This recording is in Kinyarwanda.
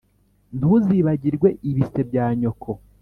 ntuzibagirwe ibise bya nyoko